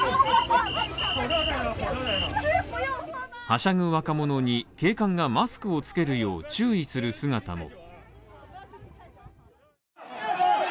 はしゃぐ若者に警官がマスクをつけるよう注意する姿も。